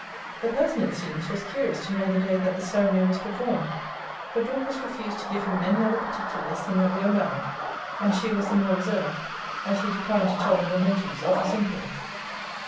The person, it seems, was curious to know the day that the ceremony was performed. But Dorcas refused to give him any other particulars than that we were married; and she was the more reserved, as he declined to tell her the motives of his inquiry.